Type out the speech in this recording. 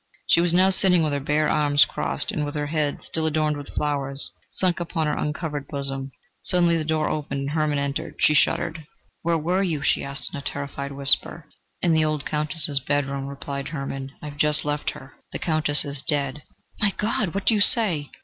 She was now sitting with her bare arms crossed and with her head, still adorned with flowers, sunk upon her uncovered bosom. Suddenly the door opened and Hermann entered. She shuddered. "Where were you?" she asked in a terrified whisper. "In the old Countess's bedroom," replied Hermann: "I have just left her. The Countess is dead." "My God! What do you say?"